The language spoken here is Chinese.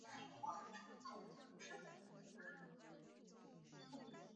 中亚卫矛为卫矛科卫矛属的植物。